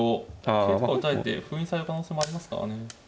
桂とか打たれて封印される可能性もありますからね。